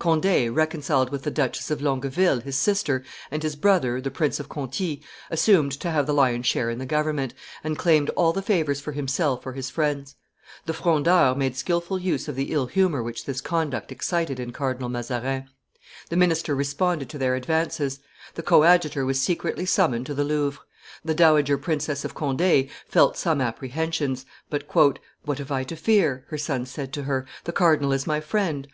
Conde, reconciled with the Duchess of Longueville, his sister, and his brother, the Prince of Conti, assumed to have the lion's share in the government, and claimed all the favors for himself or his friends; the Fondeurs made skilful use of the ill humor which this conduct excited in Cardinal Mazarin; the minister responded to their advances; the coadjutor was secretly summoned to the Louvre; the dowager Princess of Conde felt some apprehensions; but, "What have I to fear?" her son said to her; "the cardinal is my friend."